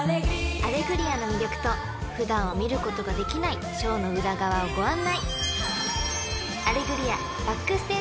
［『アレグリア』の魅力と普段は見ることができないショーの裏側をご案内！］